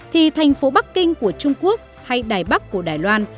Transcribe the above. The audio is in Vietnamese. thì thành phố bắc kinh của trung quốc hay đài bắc của đài loan